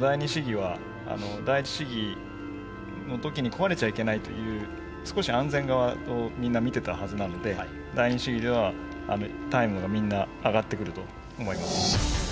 第二試技は第一試技の時に壊れちゃいけないという少し安全側をみんな見てたはずなので第二試技ではタイムがみんな上がってくると思います。